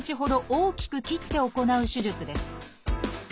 大きく切って行う手術です。